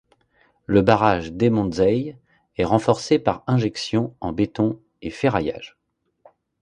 Le barrage Demontzey est renforcé par injections en béton et ferraillage.